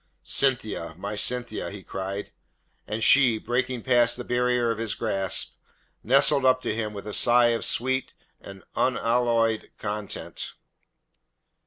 "Cynthia, my Cynthia!" he cried. And she, breaking past the barrier of his grasp, nestled up to him with a sigh of sweet and unalloyed content.